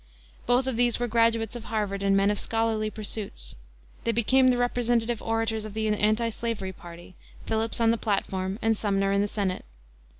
Both of these were graduates of Harvard and men of scholarly pursuits. They became the representative orators of the antislavery party, Phillips on the platform and Sumner in the Senate.